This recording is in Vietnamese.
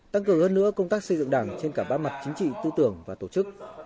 tăng cường hơn nữa công tác xây dựng đảng trên cả ba mặt chính trị tư tưởng và tổ chức